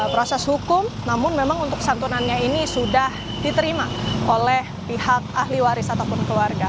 proses hukum namun memang untuk santunannya ini sudah diterima oleh pihak ahli waris ataupun keluarga